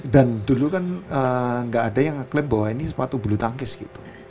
dan dulu kan nggak ada yang ngeklaim bahwa ini sepatu bulu tangis gitu